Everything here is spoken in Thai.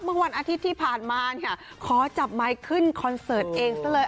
เมื่อวันอาทิตย์ที่ผ่านมาเนี่ยขอจับไมค์ขึ้นคอนเสิร์ตเองซะเลย